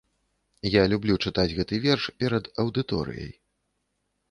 Я люблю чытаць гэты верш перад аўдыторыяй.